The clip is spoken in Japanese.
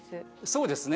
そうですね。